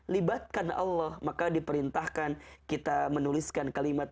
libatkan allah maka diperintahkan kita menuliskan kalimat